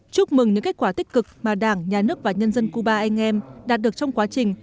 chúc mừng những kết quả tích cực mà đảng nhà nước và nhân dân cuba anh em đạt được trong quá trình